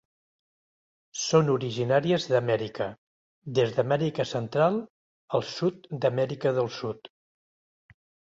Són originàries d'Amèrica, des d'Amèrica central al sud d'Amèrica del Sud.